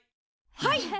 はい。